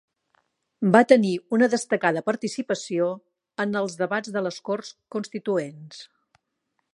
Va tenir una destacada participació en els debats de les Corts constituents.